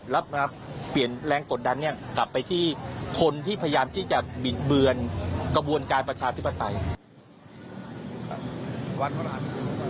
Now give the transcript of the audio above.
แล้วมาเปลี่ยนแรงกดดันเนี่ยกลับไปที่คนที่พยายามที่จะบิดเบือนกระบวนการประชาธิปไตย